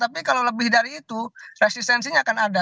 tapi kalau lebih dari itu resistensinya akan ada